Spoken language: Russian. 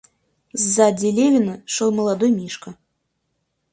Сзади Левина шел молодой Мишка.